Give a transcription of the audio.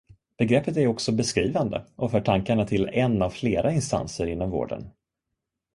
Begreppet är också beskrivande och för tankarna till en av flera instanser inom vården.